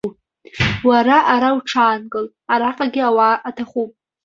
Уара ара уҽаанкыл, араҟагьы ауаа аҭахуп.